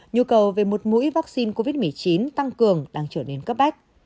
nhu cầu về một mũi vaccine covid một mươi chín tăng cường đang trở nên cấp bách